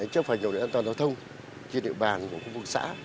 chấp hành hội an toàn giao thông trên địa bàn của khu vực xã